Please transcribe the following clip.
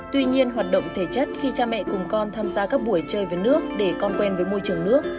tuy nhiên hoạt động thể chất khi cha mẹ cùng con tham gia các buổi chơi với nước để con quen với môi trường nước